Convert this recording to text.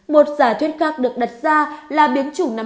một giả thuyết khác được đặt ra là biến chủng năm hai nghìn hai mươi